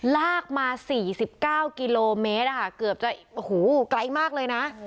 ลากมา๔๙กิโลเมตรเกือบจะโอ้โหไกลมากเลยนะ